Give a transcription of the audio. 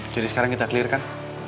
jadi sekarang kita clear kan